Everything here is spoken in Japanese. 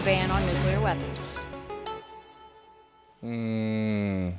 うん。